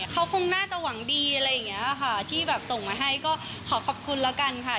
เขาคงน่าจะหวังดีอะไรอย่างนี้ค่ะที่แบบส่งมาให้ก็ขอขอบคุณแล้วกันค่ะ